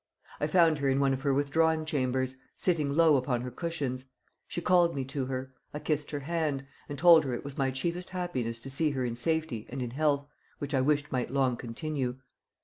I found her in one of her withdrawing chambers, sitting low upon her cushions. She called me to her; I kissed her hand, and told her it was my chiefest happiness to see her in safety and in health, which I wished might long continue.